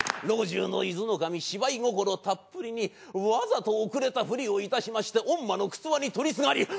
老中の伊豆守芝居心たっぷりにわざと遅れたふりをいたしまして御馬のくつわに取りすがり。